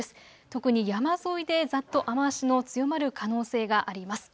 特に山沿いでざっと雨足の強まる可能性があります。